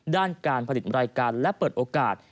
ด้านการผลิตรายการและเปิดโอกาส